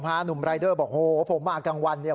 หนุ่มรายเดอร์บอกโหผมมากลางวันเนี่ย